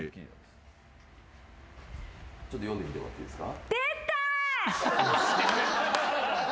読んでみてもらっていいですか？